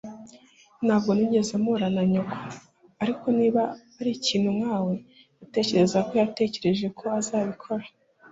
Ntabwo nigeze mpura na nyoko, ariko niba arikintu nkawe, ndatekereza ko yatekereje ko azabikora.